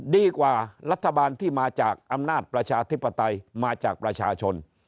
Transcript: ดีกว่ารัฐบาลที่มาจากอำนาจประชาธิปไตยมาจากประชาชน